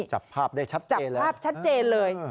จับภาพได้ชัดเจนเลยภาพชัดเจนเลย